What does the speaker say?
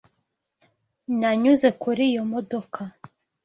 Nanyuze kuri iyo modoka.